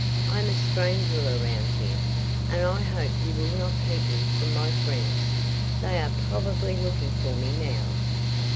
"I am a stranger around here, and I hope you will not keep me from my friends. They are probably looking for me now."